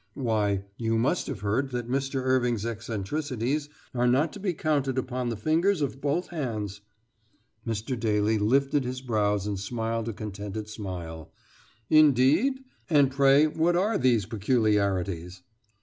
"Why, you must have heard that Mr. Irving's eccentricities are not to be counted upon the fingers of both hands?" Mr. Daly lifted his brows and smiled a contented smile: "Indeed? And pray, what are these peculiarities?"